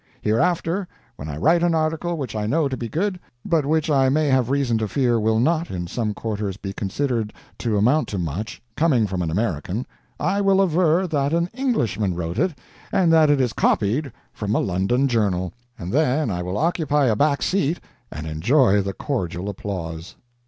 Hereafter, when I write an article which I know to be good, but which I may have reason to fear will not, in some quarters, be considered to amount to much, coming from an American, I will aver that an Englishman wrote it and that it is copied from a London journal. And then I will occupy a back seat and enjoy the cordial applause.